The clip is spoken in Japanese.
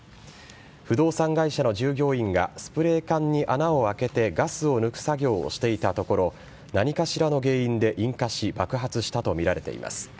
不動産会社の従業員がスプレー缶に穴をあけてガスを抜く作業をしていたところ、何かしらの原因で引火し、爆発したと見られています。